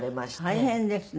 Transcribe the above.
大変ですね。